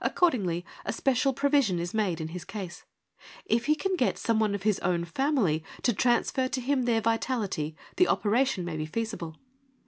Accordingly a special provision is made in his case. If he can get some one of his own family to transfer to him their vitality, the operation may be feasible.